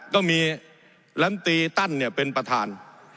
ก็มีลำตีตั้นเนี่ยเป็นประธาน